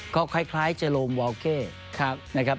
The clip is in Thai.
ก็คล้ายเจโรมวาวเก้นะครับ